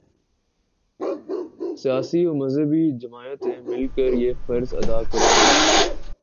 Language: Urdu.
سیاسی و مذہبی جماعتیں مل کر یہ فرض ادا کریں گی۔